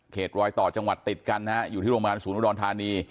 รอยต่อจังหวัดติดกันนะฮะอยู่ที่โรงพยาบาลศูนย์อุดรธานี